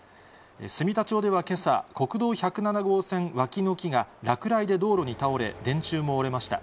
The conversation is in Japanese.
住田町ではけさ、国道１０７号線脇の木が、落雷で道路に倒れ、電柱も折れました。